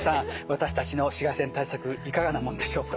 私たちの紫外線対策いかがなもんでしょうか。